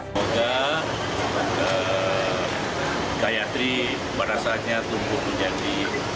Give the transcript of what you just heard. semoga gayatri pada saatnya tumbuh menjadi